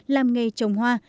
làm nghề trồng hoa